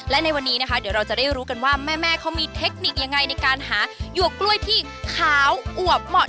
และในวันนี้นะคะเดี๋ยวเราจะได้รู้กันว่าแม่เขามีเทคนิคยังไงในการหาหยวกกล้วยที่ขาวอวบเหมาะ